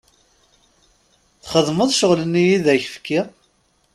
Txedmeḍ ccɣl-nni i ak-fkiɣ?